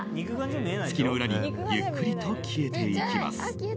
月の裏にゆっくりと消えていきます。